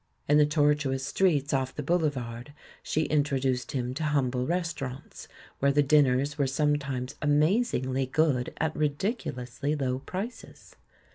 In the tortuous streets off the boulevard, she introduced him to humble restaurants, where the dinners were sometimes amazingly good at ridiculously low prices.